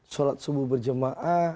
surat subuh berjemaah